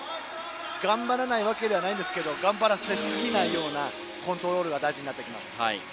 頑張らないわけじゃないですが頑張らせすぎないようなコントロールが大事になってきます。